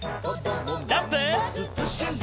ジャンプ！